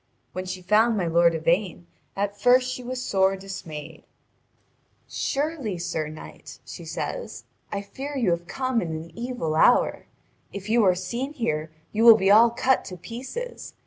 When she found my lord Yvain, at first she was sore dismayed. "Surely, sir knight," she says, "I fear you have come in an evil hour. If you are seen here, you will be all cut to pieces.